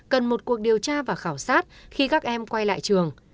cần một cuộc điều tra và khảo sát khi các em quay lại trường